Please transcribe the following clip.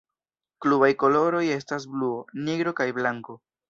Klubaj koloroj estas bluo, nigro kaj blanko.